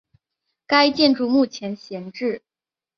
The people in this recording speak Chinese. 该建筑目前闲置。